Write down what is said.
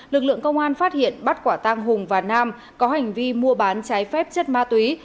lực lượng công an phát hiện bắt quả tang hùng và nam có hành vi mua bán trái phép chất ma túy